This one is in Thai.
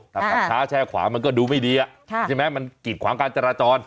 ถ้าขับช้าแช่ขวามันก็ดูไม่ดีใช่ไหมมันกิดขวางการจราจร